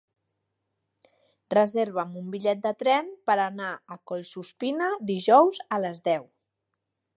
Reserva'm un bitllet de tren per anar a Collsuspina dijous a les deu.